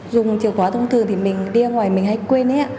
dùng chìa khóa thông thường thì mình đi ra ngoài mình hay quên á